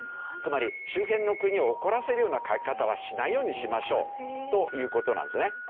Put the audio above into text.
つまり周辺の国を怒らせるような書き方はしないようにしましょうという事なんですね。